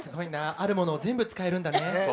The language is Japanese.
あるものを全部使えるんだね。